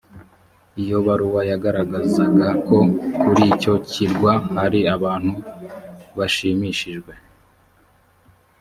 iyo baruwa yagaragazaga ko kuri icyo kirwa hari abantu bashimishijwe